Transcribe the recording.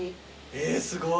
えすごい。